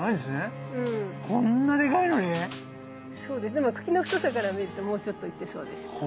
でも茎の太さから見るともうちょっといってそうですけどね。